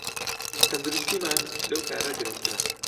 تەندروستیمان لەو کارە گرنگترە